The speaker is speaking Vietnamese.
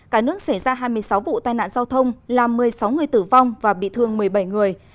cả nước xảy ra hai mươi sáu vụ tai nạn giao thông làm một mươi sáu người tử vong và bị thương một mươi bảy người